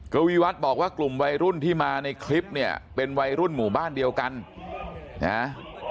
กวีวัฒน์บอกว่ากลุ่มวัยรุ่นที่มาในคลิปเนี่ยเป็นวัยรุ่นหมู่บ้านเดียวกันนะ